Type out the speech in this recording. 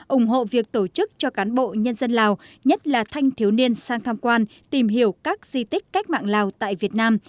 ủng hộ việc tổ chức cho cán bộ nhân dân lào nhất là thanh thiếu niên sang tham quan tìm hiểu các di tích cách mạng lào tại việt nam